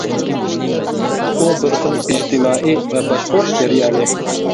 ئۇ بىر خىل ئىجتىمائىي ۋە باشقۇرۇش جەريانى.